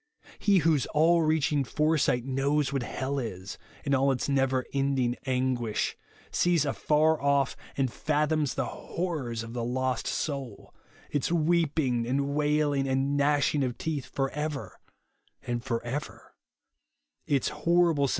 He whose all reaching foresight knows what hell is, in all its never ending anguish, sees afar ojff, and fathoms the horrors of the lost soul, its weeping and wailing and gnashing of teeth for ever and for ever; its horrible sen.